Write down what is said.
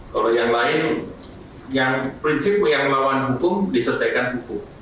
kalau yang lain yang prinsip yang melawan hukum diselesaikan hukum